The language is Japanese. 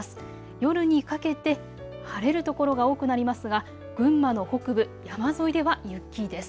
夜にかけて晴れる所が多くなりますが群馬の北部、山沿いでは雪です。